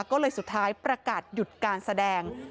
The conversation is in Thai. ก็เลยสุดท้ายประกาศหยุดการแสดง